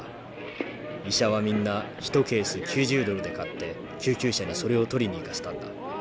医者はみんな１ケース９０ドルで買って救急車でそれを取りに行かせたんだ。